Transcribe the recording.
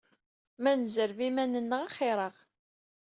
Ma nezreb iman-nneɣ axir-aɣ.